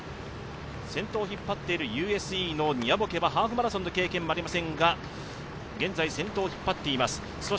先頭を引っ張っているユー・エス・イーのニャボケはハーフマラソンの経験はありませんが現在、先頭を引っ張っています。